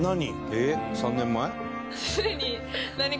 えっ３年前？